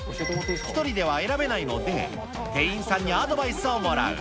１人では選べないので、店員さんにアドバイスをもらう。